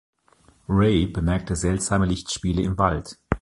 Ray bemerkt seltsame Lichtspiele im Wald.